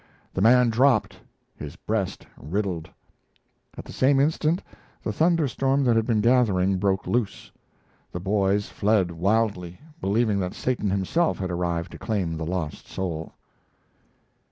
The man dropped, his breast riddled. At the same instant the thunderstorm that had been gathering broke loose. The boys fled wildly, believing that Satan himself had arrived to claim the lost soul.